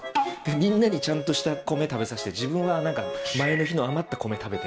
みんなにちゃんとした米食べさせて自分は前の日の余った米食べて。